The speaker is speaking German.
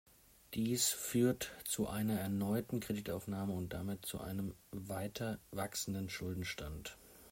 Dies führt zu einer erneuten Kreditaufnahme und damit zu einem weiter wachsenden Schuldenstand.